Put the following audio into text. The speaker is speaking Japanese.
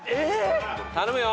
頼むよ。